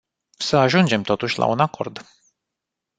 Să ajungem totuși la un acord.